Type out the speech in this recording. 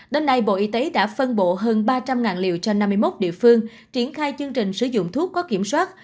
đến nay bộ y tế đã phân bộ hơn ba trăm linh liều cho năm mươi một địa phương triển khai chương trình sử dụng thuốc có kiểm soát